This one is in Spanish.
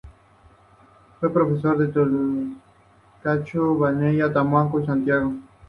Fue profesor en Talcahuano, Vallenar, Temuco y Santiago.